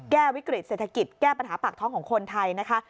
แก้วิกฤตเศรษฐกิจแก้ปัญหาปากท้องของคนไทยนะคะ